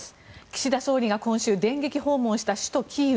岸田総理が今週、電撃訪問した首都キーウ。